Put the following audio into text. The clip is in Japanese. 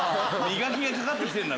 磨きがかかって来てるんだ。